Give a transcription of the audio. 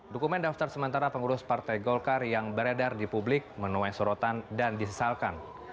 dokumen daftar sementara pengurus partai golkar yang beredar di publik menuai sorotan dan disesalkan